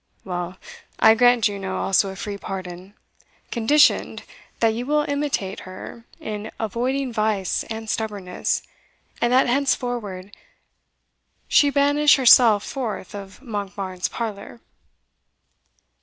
"Well, I grant Juno also a free pardon conditioned, that you will imitate her in avoiding vice and stubbornness, and that henceforward she banish herself forth of Monkbarns parlour."